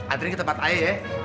antri ke tempat ayah ya